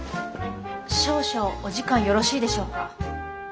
少々お時間よろしいでしょうか？